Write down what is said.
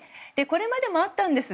これまでもあったんです。